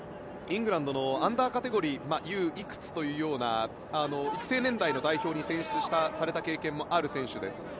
イングランドのアンダーカテゴリーＵいくつというような育成年代の代表に選出された経験もある選手です。